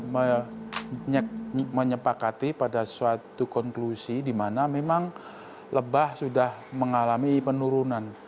menyepakati pada suatu konklusi di mana memang lebah sudah mengalami penurunan